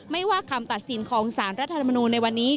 ไม่ว่าคำตัดสินของสารรัฐธรรมนูลในวันนี้